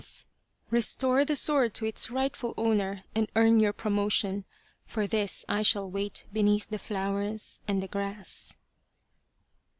37 The Quest of the Sword " Restore the sword to its rightful owner and earn your promotion for this I shall wait beneath the flowers and the grass."